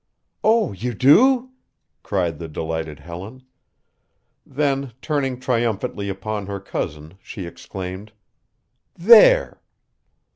"Oh, you do?" cried the delighted Helen. Then, turning triumphantly upon her cousin she exclaimed: "There!"